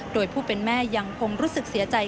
โดยผู้เป็นแม่ยังคงรู้สึกเสียใจ